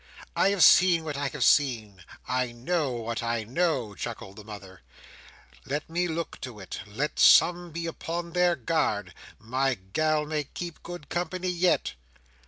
"I have seen what I have seen. I know what I know!" chuckled the mother. "Let some look to it. Let some be upon their guard. My gal may keep good company yet!"